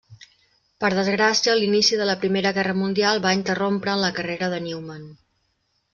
Per desgràcia l'inici de la Primera Guerra Mundial va interrompre en la carrera de Newman.